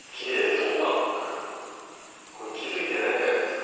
等間隔気付いてないんじゃないですか？